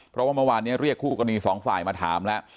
เพราะว่าเมื่อวานนี้เรียกคู่กรณีสองฝ่ายมาถามแล้ว